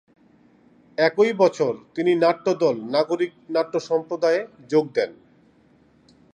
একই বছর, তিনি নাট্যদল "নাগরিক নাট্য সম্প্রদায়ে" যোগ দেন।